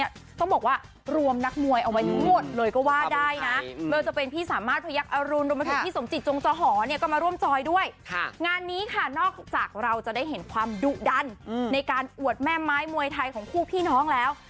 อย่างนี้ค่ะนอกจากเราจะได้เห็นความดุดันในการอวดแม่ไม้มวยไทยของคู่พี่น้องแล้ว